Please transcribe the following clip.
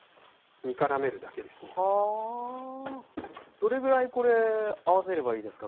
どれぐらいこれあわせればいいですか？